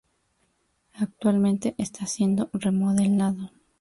Actualmente está siendo remodelado.